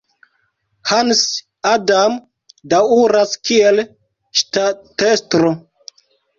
Hans Adam daŭras kiel ŝtatestro.